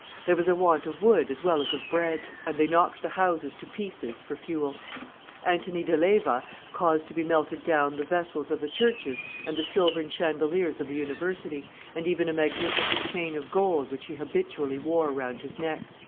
There was a want of wood as well as of bread; and they knocked the houses to pieces for fuel. Antony de Leyva caused to be melted down the vessels of the churches and the silvern chandeliers of the university, and even a magnificent chain of gold which he habitually wore round his neck.